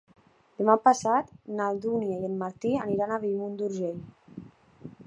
Demà passat na Dúnia i en Martí aniran a Bellmunt d'Urgell.